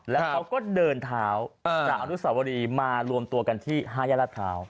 แล้วเขาก็เดินเท้าจากอนุสาวรีมารวมตัวกันที่๕ย่ารัฐพร้าว